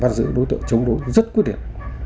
bắt giữ đối tượng chống đối rất quyết định